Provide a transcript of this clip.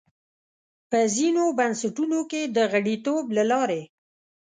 په ځینو بنسټونو کې د غړیتوب له لارې.